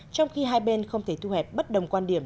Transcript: trong khi hai bên không thể thu hẹp bất đồng quan điểm